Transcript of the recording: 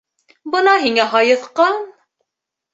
Бына һиңә һайыҫҡан.